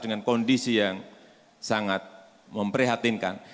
dengan kondisi yang sangat memprihatinkan